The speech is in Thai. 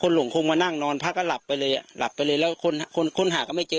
หลงคงมานั่งนอนพักก็หลับไปเลยอ่ะหลับไปเลยแล้วคนคนค้นหาก็ไม่เจอ